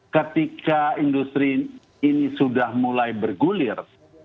ketika industri ini sudah mulai bergulir